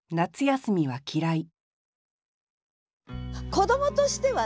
子どもとしてはね